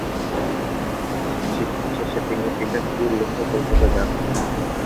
শিক্ষা শেষে তিনি পেশা শুরুর লক্ষ্যে কলকাতা যান।